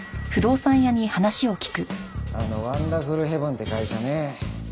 あのワンダフルヘブンって会社ね